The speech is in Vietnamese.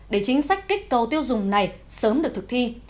để chính sách kích cầu tiêu dùng này sớm được thực thi